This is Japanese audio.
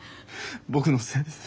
僕のせいです。